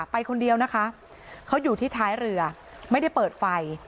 ไปคนเดียวนะคะเขาอยู่ที่ท้ายเรือไม่ได้เปิดไฟ